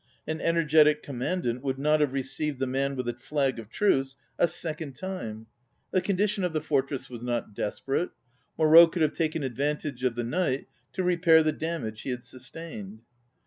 An energetic com mandant would not have received the man with a flag of truce a second 50 ON READING time. The condition of the fortress was not desperate. Moreau could have taken advantage of the night to repair the damage he had sustained.